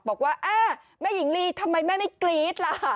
บอกว่าแม่หญิงลีทำไมแม่ไม่กรี๊ดล่ะ